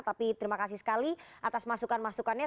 tapi terima kasih sekali atas masukan masukannya